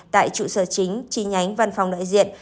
tại trụ sở chính chi nhánh văn phòng đại diện